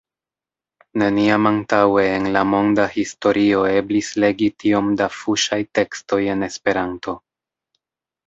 Neniam antaŭe en la monda historio eblis legi tiom da fuŝaj tekstoj en Esperanto.